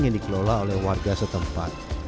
yang dikelola oleh warga setempat